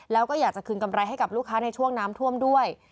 แล้วก็อยากจะคืนกำไรให้กับลูกค้าในช่วงน้ำท่วมด้วย